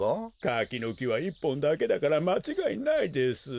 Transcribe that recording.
かきのきは１ぽんだけだからまちがいないです。